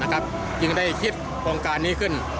จึงได้คิดโครงการนี้ขึ้น